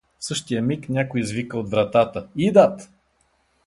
В същия миг някой извика от вратата: — Идат!